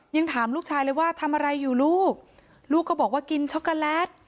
ยังถามลูกชายเลยว่าทำอะไรอยู่ลูกลูกก็บอกว่ากินช็อกโกแลต